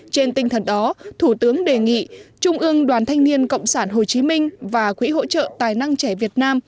trên tinh thần đó thủ tướng đề nghị trung ương đoàn thanh niên cộng sản hồ chí minh và quỹ hỗ trợ tài năng trẻ việt nam